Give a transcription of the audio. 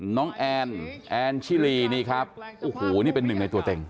แอนแอนชิลีนี่ครับโอ้โหนี่เป็นหนึ่งในตัวเต็ง